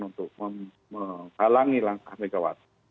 untuk menghalangi langkah megawati